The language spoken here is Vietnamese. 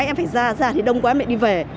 bắt máy em phải ra ra thì đông quá em lại đi về